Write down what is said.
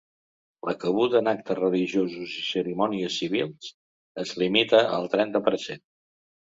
La cabuda en actes religiosos i cerimònies civils es limita al trenta per cent.